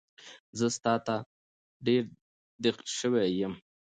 زه ستا تاته ډېر دیغ شوی یم